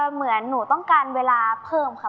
เหมือนหนูต้องการเวลาเพิ่มค่ะ